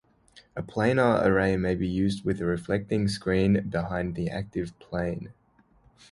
A planar array may be used with a reflecting screen behind the active plane.